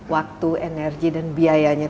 waktu energi dan biayanya